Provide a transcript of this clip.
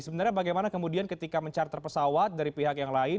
sebenarnya bagaimana kemudian ketika mencharter pesawat dari pihak yang lain